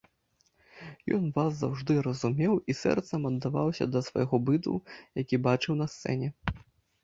Ён вас заўжды разумеў і сэрцам аддаваўся да свайго быту, які бачыў на сцэне.